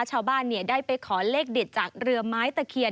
ชาวบ้านได้ไปขอเลขเด็ดจากเรือไม้ตะเคียน